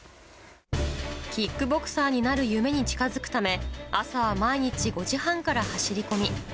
キックボクサーになる夢に近づくため、朝は毎日５時半から走り込み。